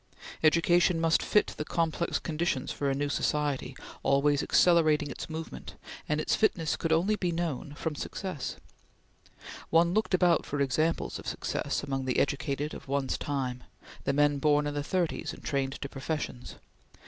Education must fit the complex conditions of a new society, always accelerating its movement, and its fitness could be known only from success. One looked about for examples of success among the educated of one's time the men born in the thirties, and trained to professions.